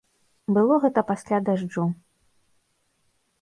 Было гэта пасля дажджу.